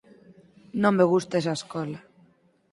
Non me gusta esa escola.